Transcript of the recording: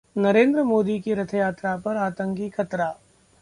नरेंद्र मोदी की रथयात्रा पर आतंकी खतरा